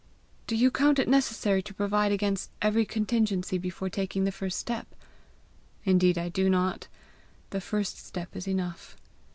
Do you count it necessary to provide against every contingency before taking the first step?" "Indeed I do not! The first step is enough.